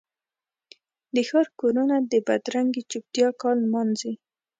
د ښار کورونه د بدرنګې چوپتیا کال نمانځي